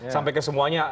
sampai ke semuanya